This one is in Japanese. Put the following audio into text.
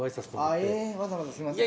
えわざわざすいません。